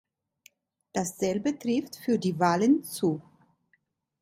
Dasselbe trifft für die Wahlen zu.